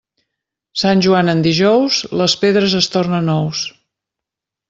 Sant Joan en dijous, les pedres es tornen ous.